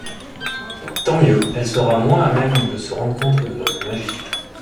Tant mieux ; elle sera moins à même de se rendre compte de votre magie…